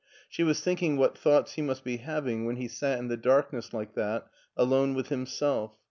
She was thinking what thoughts he must be having when he sat in the darkness like that alone with himself.